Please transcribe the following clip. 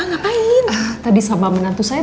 ngapain tadi sama menantu saya